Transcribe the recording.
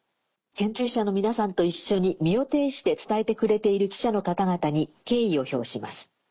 研究者の皆さんと一緒に身をていして伝えてくれている記者の方々に敬意を表します。